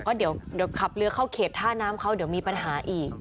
ก็เดี๋ยวขับเรือเข้าเขตท่าน้ำเขาเดี๋ยวมีปัญหาอีก